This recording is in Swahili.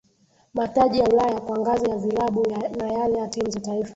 Mataji ya Ulaya kwa ngazi ya vilabu na yale ya timu za taifa